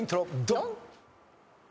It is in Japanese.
ドン！